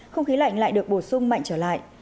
không khí lạnh lại được bổ sung mạnh trở lại